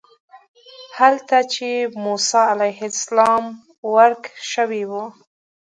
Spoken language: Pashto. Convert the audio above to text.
هلته چې موسی علیه السلام ورک شوی و.